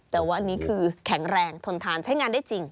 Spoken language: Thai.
แต่ว่าอันนี้คือแข็งแรงทนทานใช้งานได้จริง